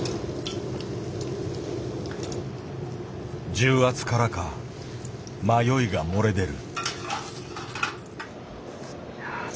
重圧からか迷いが漏れ出る。